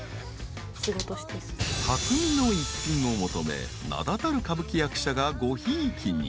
［匠の逸品を求め名だたる歌舞伎役者がごひいきに］